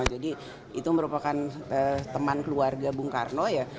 jadi itu merupakan teman keluarga bung karno ya